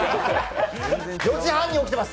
４時半に起きてます！